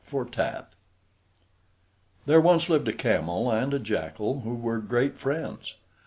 FRERE There once lived a Camel and a Jackal who were great friends.